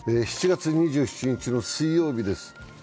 ７月２７日の水曜日です。